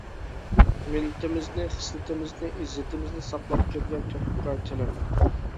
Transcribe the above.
مىللىتىمىزنى، خىسلىتىمىزنى، ئىززىتىمىزنى، ساقلاپ كەلگەن تۆھپىكار تىلىم.